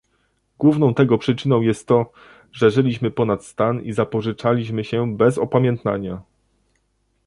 Główną tego przyczyną jest to, że żyliśmy ponad stan i zapożyczaliśmy się bez opamiętania